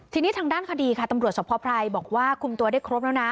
ทีนี้ทางด้านคดีค่ะตำรวจสภไพรบอกว่าคุมตัวได้ครบแล้วนะ